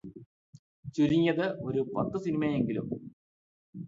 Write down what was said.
ചുരുങ്ങിയത് ഒരു പത്ത് സിനിമയിലെങ്കിലും